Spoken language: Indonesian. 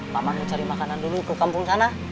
paman mau cari makanan dulu ke kampung sana